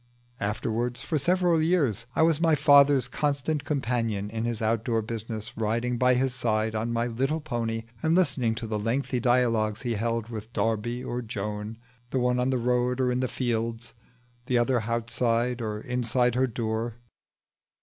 Afterwards for several years I was my father's constant companion in his outdoor business, riding by his side on my little pony and listening to the lengthy dialogues he held with Darby or Joan, the one on the road or in the fields, the other outside or inside her door.